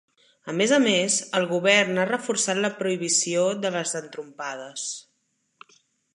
A més a més, el govern ha reforçat la prohibició de les entrompades.